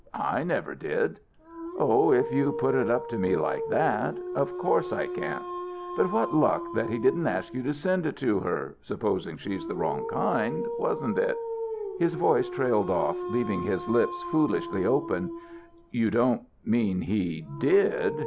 I never did." "Oh, if you put it up to me like that! Of course I can't. But what luck that he didn't ask you to send it to her supposing she's the wrong kind wasn't it ..." His voice trailed off, leaving his lips foolishly open. "You don't mean he did?"